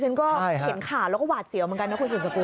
ฉันก็เห็นข่าวแล้วก็หวาดเสียวเหมือนกันนะคุณสืบสกุล